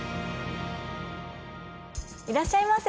いらっしゃいませ。